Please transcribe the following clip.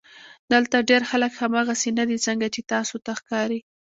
دلته ډېر خلک هغسې نۀ دي څنګه چې تاسو ته ښکاري